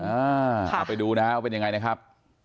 เอาไปดูนะฮะว่าเป็นยังไงนะครับ